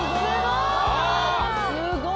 すごい！